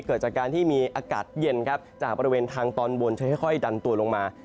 เกิดจากการที่มีอากาศเย็นครับจากบริเวณทางตอนบนจะค่อยดันตัวลงมา